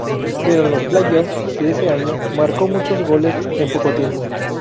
Pero en los playoffs de ese año, marcó muchos goles en poco tiempo.